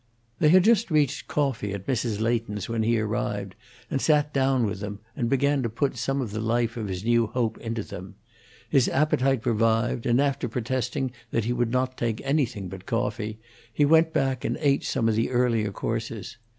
They had just reached coffee at Mrs. Leighton's when he arrived and sat down with them and began to put some of the life of his new hope into them. His appetite revived, and, after protesting that he would not take anything but coffee, he went back and ate some of the earlier courses.